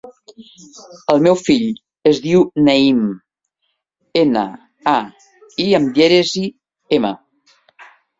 El meu fill es diu Naïm: ena, a, i amb dièresi, ema.